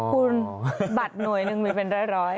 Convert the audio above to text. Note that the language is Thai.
คุณบัตรหน่วยหนึ่งมีเป็นร้อย